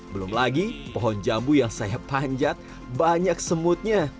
belum lagi pohon jambu yang saya panjat banyak semutnya